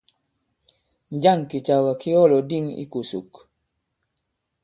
Njâŋ kìcàwà ki ɔ lɔ̀dîŋ ikòsòk?